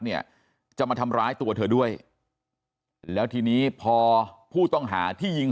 เนี่ยจะมาทำร้ายตัวเธอด้วยแล้วทีนี้พอผู้ต้องหาที่ยิง